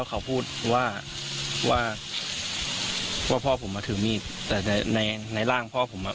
เขาพูดว่าว่าพ่อผมมาถือมีดแต่ในในร่างพ่อผมอ่ะ